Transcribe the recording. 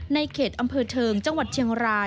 ในเขตอำเภอเทิงจังหวัดเชียงราย